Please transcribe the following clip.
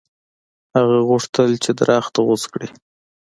هغه غوښتل چې درخت غوڅ کړي.